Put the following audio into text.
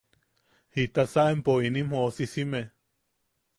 ¿Jitasa empo inim joosisime?